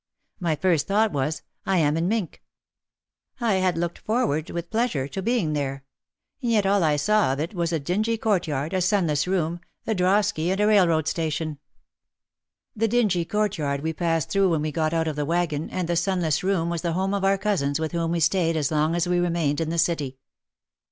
My first thought was, "I am in Mintck." I had looked forward with pleasure to being there. And yet all I saw of it was a dingy court yard, a sunless room, a drosky and a railroad station. 50 OUT OF THE SHADOW The dingy courtyard we passed through when we got out of the wagon, and the sunless room was the home of our cousins with whom we stayed as long as we re mained in the city.